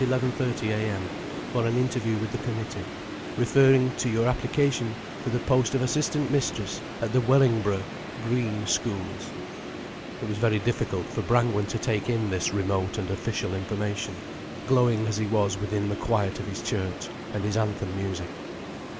30 a.m., for an interview with the committee, referring to your application for the post of assistant mistress at the Wellingborough Green Schools." It was very difficult for Brangwen to take in this remote and official information, glowing as he was within the quiet of his church and his anthem music.